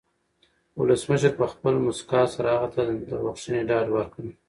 ولسمشر په خپلې مسکا سره هغه ته د بښنې ډاډ ورکړ.